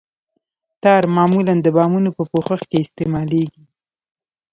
ټار معمولاً د بامونو په پوښښ کې استعمالیږي